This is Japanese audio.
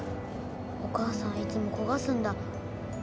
お母さんいつも焦がすんだ。